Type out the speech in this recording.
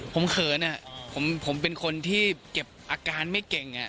ผมเขินผมเป็นคนที่เก็บอาการไม่เก่ง